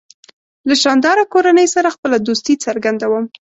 له شانداره کورنۍ سره خپله دوستي څرګندوم.